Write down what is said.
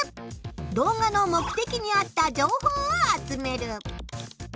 動画の目的に合った情報を集める。